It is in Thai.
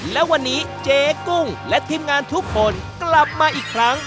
และวันนี้เจ๊กุ้งและทีมงานทุกคนกลับมาอีกครั้ง